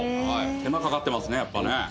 手間かかってますねやっぱね。